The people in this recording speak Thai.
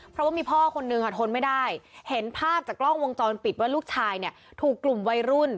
เพราะว่ามีพ่อคนนึงค่ะทนไม่ได้เห็นภาพจากกล้องวงจรปิดว่าลูกชายเนี่ยถูกกลุ่มวัยรุ่น